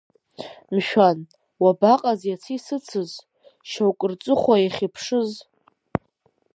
Мшәан, уабаҟоу иацы исыцыз, шьоукгьы рҵыхәа иахьыԥшыз?